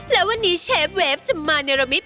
และวันนี้เชฟเวฟจะมาเนรมิต